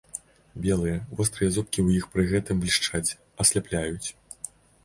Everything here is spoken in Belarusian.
Белыя, вострыя зубкі ў іх пры гэтым блішчаць, асляпляюць.